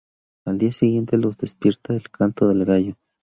Al día siguiente, los despierta el canto del gallo.